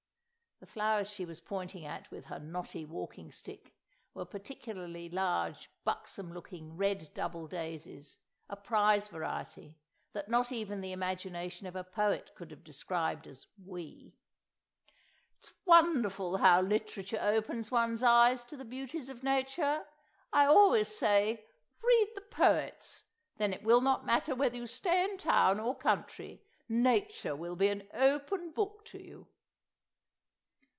The flowers she was pointing at with her knotty walking stick were particularly large, buxom looking red double daisies, a prize variety, that not even the imagination of a poet could have described as "wee"! "It's wonderful how literature opens one's eyes to the beauties of nature. I always say 'Read the poets,' then it will not matter whether you stay in town or country, nature will be an open book to you."